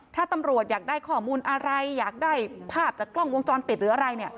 ถ้าตำรวจอยากได้ข้อมูลอะไรอยากได้ภาพจากกล้องวงจรปิดหรืออะไรเนี่ย